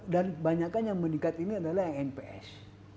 dan kebanyakan yang meningkat ini adalah nps